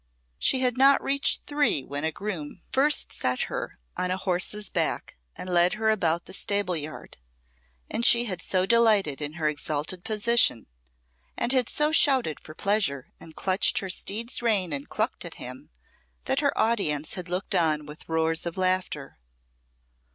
She had not reached three when a groom first set her on a horse's back and led her about the stable yard, and she had so delighted in her exalted position, and had so shouted for pleasure and clutched her steed's rein and clucked at him, that her audience had looked on with roars of laughter.